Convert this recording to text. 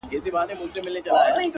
څومره ژر غچ اخلي